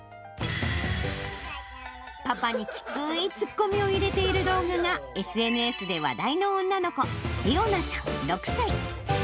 パパにきつーいツッコミを入れている動画がＳＮＳで話題の女の子、理央奈ちゃん６歳。